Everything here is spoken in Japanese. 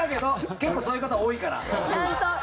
結構そういう方多いから。